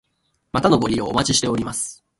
またのご利用お待ちしております。